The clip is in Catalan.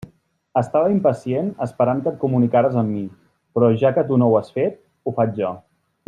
Estava impacient esperant que et comunicares amb mi, però ja que tu no ho has fet, ho faig jo.